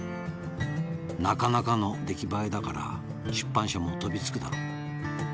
「なかなかの出来栄えだから出版社も飛びつくだろう」